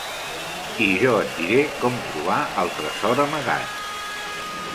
I jo et diré com trobar el tresor amagat.